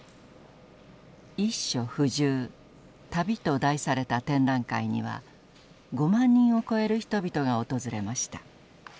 「一所不住・旅」と題された展覧会には５万人を超える人々が訪れました。